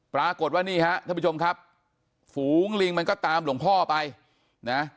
ปรากฏว่านี่ฮะท่านผู้ชมครับฝูงลิงมันก็ตามหลวงพ่อไปนะ